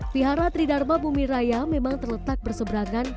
vihara tridharma bumiraya memang terletak berseberangan